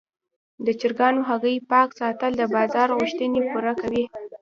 د چرګانو هګۍ پاک ساتل د بازار غوښتنې پوره کوي.